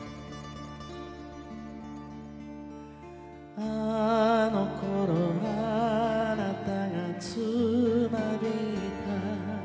「あの頃あなたがつま弾いた」